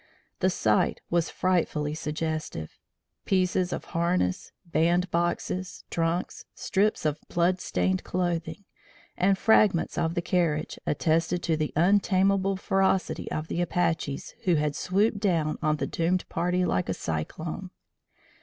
The sight was frightfully suggestive: pieces of harness, band boxes, trunks, strips of blood stained clothing, and fragments of the carriage attested the untamable ferocity of the Apaches who had swooped down on the doomed party like a cyclone.